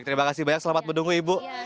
terima kasih banyak selamat menunggu ibu